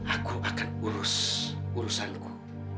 aku akan urus urusanku